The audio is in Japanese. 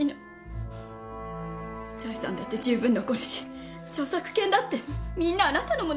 財産だって十分残るし著作権だってみんなあなたのものなんだから。